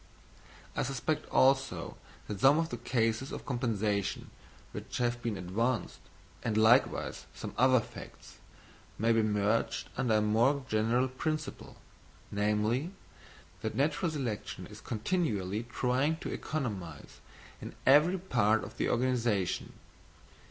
I suspect, also, that some of the cases of compensation which have been advanced, and likewise some other facts, may be merged under a more general principle, namely, that natural selection is continually trying to economise in every part of the organisation.